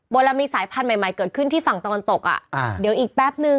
เวลามีสายพันธุ์ใหม่ใหม่เกิดขึ้นที่ฝั่งตะวันตกอ่ะอ่าเดี๋ยวอีกแป๊บนึง